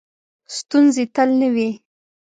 ستونزې تل نه وي .